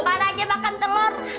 apaan aja makan telor